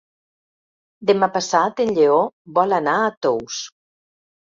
Demà passat en Lleó vol anar a Tous.